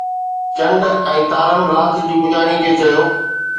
چنڊ ۽ تارن رات جي پڄاڻيءَ کي چيو